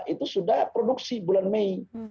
itu sudah produksi bulan mei